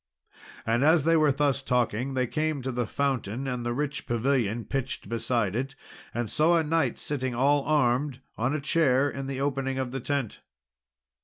And as they were thus talking, they came to the fountain and the rich pavilion pitched beside it, and saw a knight sitting all armed on a chair in the opening of the tent.